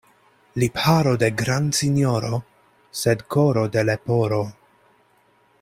Lipharo de grandsinjoro, sed koro de leporo.